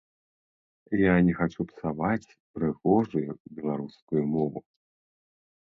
Я не хачу псаваць прыгожую беларускую мову.